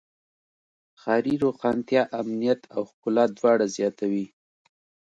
ښاري روښانتیا امنیت او ښکلا دواړه زیاتوي.